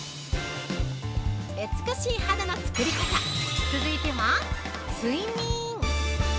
美しい肌の作り方続いては、睡眠。